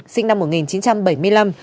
sinh năm một nghìn chín trăm bảy mươi năm